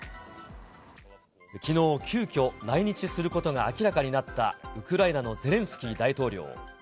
きのう、急きょ、来日することが明らかになったウクライナのゼレンスキー大統領。